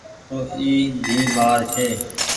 اي تو ڌيئي مآڙ ڇي۔